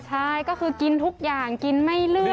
ใช่ก็คือกินทุกอย่างกินไม่เลือก